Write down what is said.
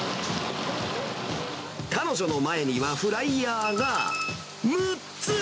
彼女の前にはフライヤーが６つ。